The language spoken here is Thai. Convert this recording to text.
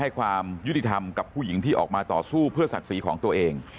ความยุติธรรมกับผู้หญิงที่ออกมาต่อสู้เพื่อศักดิ์ศรีของตัวเอง